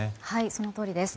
そのとおりです。